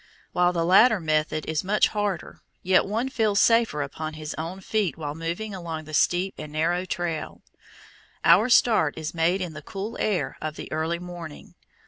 While the latter method is much harder, yet one feels safer upon his own feet while moving along the steep and narrow trail. Our start is made in the cool air of the early morning.